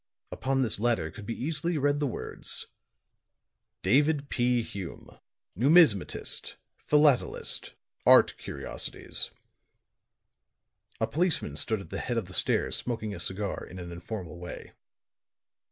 Upon this latter could be easily read the words: DAVID P. HUME NUMISMATIST PHILATELIST ART CURIOSITIES A policeman stood at the head of the stairs smoking a cigar in an informal way.